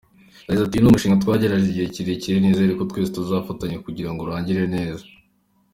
Yagize ati "Uyu ni umushinga twategereje igihe kirekire nizereko twese tuzafatanya kugirango urangire neza.